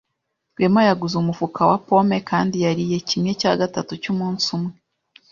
Rwema yaguze umufuka wa pome kandi yariye kimwe cya gatatu cyumunsi umwe.